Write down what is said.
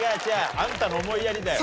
あんたの思いやりだよ。